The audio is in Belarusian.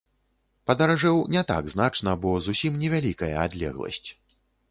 Падаражэў не так значна, бо зусім невялікая адлегласць.